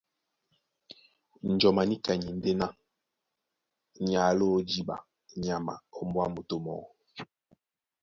Njɔm a níka ni e ndé ná ni aló jǐɓa nyama ómbóá moto mɔɔ́.